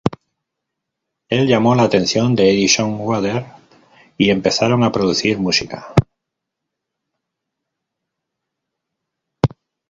Él llamó la atención de Edison Waters, y empezaron a producir música.